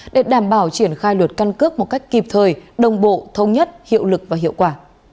để đảm bảo triển khai luật căn cước một cách kịp thời đồng bộ thông nhất hiệu lực và hiệu quả